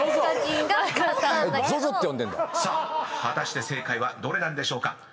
［果たして正解はどれなんでしょうか？］